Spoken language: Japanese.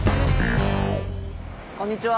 こんにちは！